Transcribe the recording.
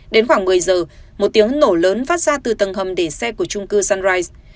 đến khoảng một mươi giờ một tiếng nổ lớn phát ra từ tầng hầm để xe của trung cư sunrise